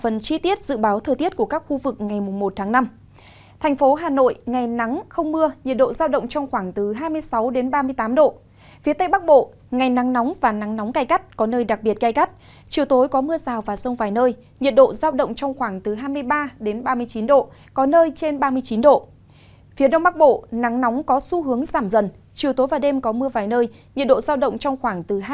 nhiệt độ giao động trong khoảng từ hai mươi năm ba mươi sáu độ có nơi trên ba mươi sáu độ thậm chí ba mươi bảy độ